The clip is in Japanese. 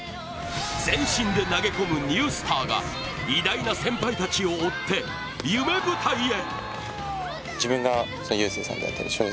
全身で投げ込むニュースターが偉大な先輩たちを追って夢舞台へ。